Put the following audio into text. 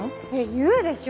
言うでしょ！